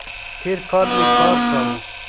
تېر کال می کار کاوو